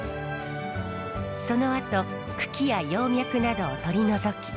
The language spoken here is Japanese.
そのあと茎や葉脈などを取り除き